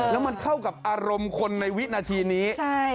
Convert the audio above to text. แล้วมันเข้ากับอารมณ์คนในวินาทีนี้